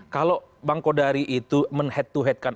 kalau bang kodari itu menhead to headkan